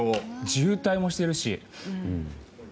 渋滞もしているし。